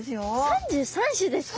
３３種ですか！